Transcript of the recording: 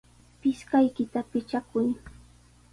Pisqaykita pichakuy.